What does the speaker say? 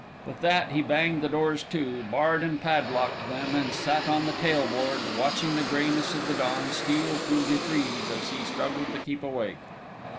With that he banged the doors to, barred and padlocked them, and sat on the tail board watching the greyness of the dawn steal through the trees, as he struggled to keep awake.